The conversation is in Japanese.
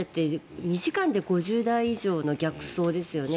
２時間で５０台以上の逆走ですよね。